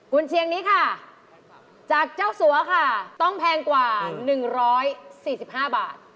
คุณเชียงนี้ค่ะจากเจ้าสัวค่ะต้องแพงกว่า๑๔๕บาท